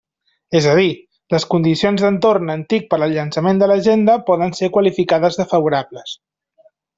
És a dir, les condicions d'entorn en TIC per al llançament de l'Agenda poden ser qualificades de favorables.